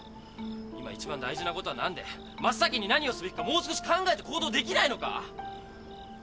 今いちばん大事なことは何で真っ先に何をすべきかもう少し考えて行動できないのか！